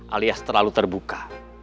alias terlalu terbuka